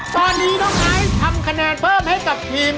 ตอนนี้น้องไอซ์ทำคะแนนเพิ่มให้กับทีม